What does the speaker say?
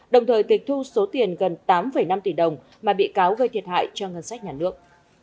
đồng thời tịch thu số tiền gần tám năm tỷ đồng mà bị cáo gây thiệt hại cho ngân sách nhà nước